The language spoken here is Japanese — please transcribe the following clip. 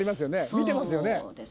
見てますよね。